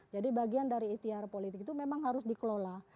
jadi bagian dari ikhtiar politik itu memang harus dikelola